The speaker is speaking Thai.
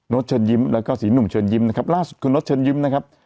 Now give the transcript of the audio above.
เชิญยิ้มแล้วก็สีหนุ่มเชิญยิ้มนะครับล่าสุดคุณโน๊ตเชิญยิ้มนะครับ